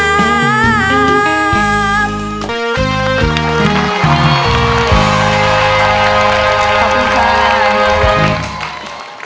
ขอบคุณค่ะ